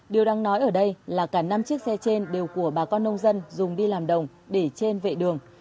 điều đang nói ở đây là cả năm chiếc xe trên đều của bà con nông dân dùng đi làm đồng để trên vệ đường